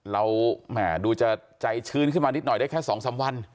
แหม่ดูจะใจชื้นขึ้นมานิดหน่อยได้แค่๒๓วัน